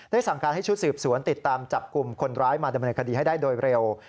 สั่งการให้ชุดสืบสวนติดตามจับกลุ่มคนร้ายมาดำเนินคดีให้ได้โดยเร็ว